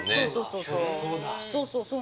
そうそうそうそう。